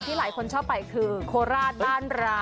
ที่หลายคนชอบไปคือโคราชด้านร้าน